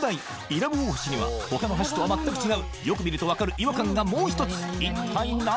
伊良部大橋には他の橋とは全く違うよく見るとわかる違和感がもう一つ一体何？